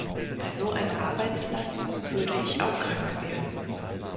Bei so einer Arbeitslast würde ich auch krank werden.